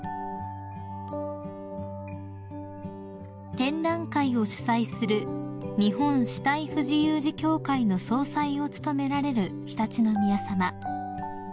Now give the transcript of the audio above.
［展覧会を主催する日本肢体不自由児協会の総裁を務められる常陸宮さま］